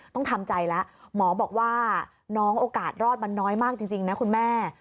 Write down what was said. ต้องทำใจแล้วหมอบอกว่าน้องโอกาสรอดมันน้อยมากจริงนะคุณแม่